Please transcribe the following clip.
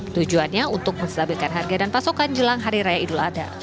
tujuannya untuk menstabilkan harga dan pasokan jelang hari raya idul adha